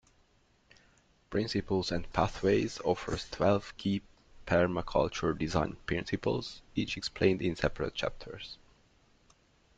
"Principles and Pathways" offers twelve key permaculture design principles, each explained in separate chapters.